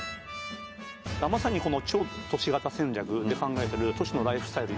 まさにこの超都市型戦略で考えてる都市のライフスタイル